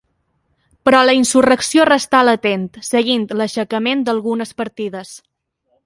Però la insurrecció restà latent, seguint l'aixecament d'algunes partides.